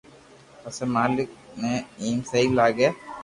پسي مالڪ ني ايم سھي لاگي